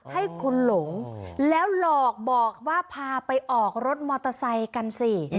ให้คุณหลงแล้วหลอกบอกว่าพาไปออกรถมอเตอร์ไซค์กันสิ